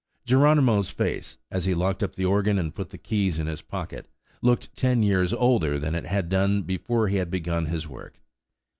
Geronimo's face, as he locked up the organ and put the keys in his pocket, looked ten years older than it had done before he had begun his work.